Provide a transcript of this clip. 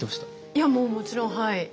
いやもうもちろんはい。